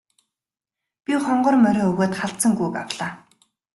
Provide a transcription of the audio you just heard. Би хонгор морио өгөөд халзан гүүг авлаа.